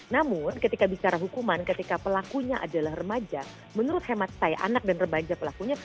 namun ketika bicara hukuman ketika pelakunya adalah remaja menurut hemat saya anak dan remaja pelakunya